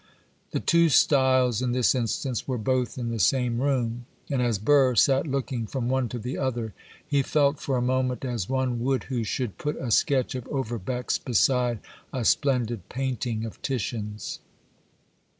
The two styles, in this instance, were both in the same room; and as Burr sat looking from one to the other, he felt, for a moment, as one would who should put a sketch of Overbeck's beside a splendid painting of Titian's.